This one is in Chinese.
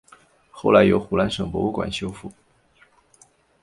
后来由湖南省博物馆修复。